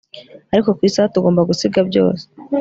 Ariko ku isaha tugomba gusiga byose